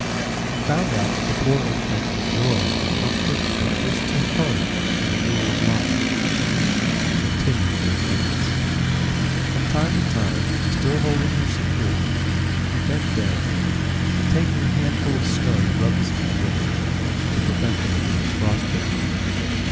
He found out that the poor infant enjoyed the comfort which was to her the renewal of life. He continued to advance. From time to time, still holding her securely, he bent down, and taking a handful of snow he rubbed his feet with it, to prevent their being frost bitten.